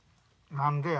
何でや？